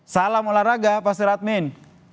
salam olahraga pak suratmin